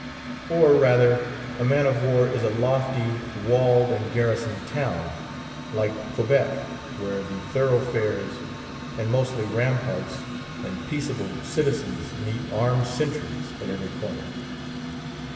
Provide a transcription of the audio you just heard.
Or, rather, a man of war is a lofty, walled, and garrisoned town, like Quebec, where the thoroughfares and mostly ramparts, and peaceable citizens meet armed sentries at every corner.